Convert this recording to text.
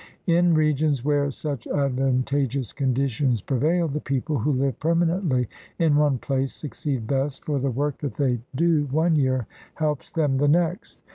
In regions where such advantageous conditions 150 THE RED MAN'S CONTINENT prevail, the people who live permanently in one place succeed best, for the work that they do one year helps them the next.